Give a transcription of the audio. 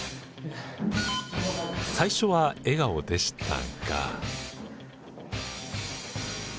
最初は笑顔でしたが。